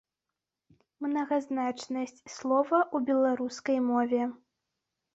Мнагазначнасць слова ў беларускай мове.